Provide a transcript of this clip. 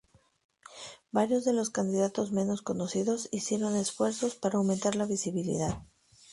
Varios de los candidatos menos conocidos hicieron esfuerzos para aumentar la visibilidad.